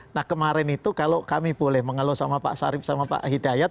nah kemarin itu kalau kami boleh mengeluh sama pak sarip sama pak hidayat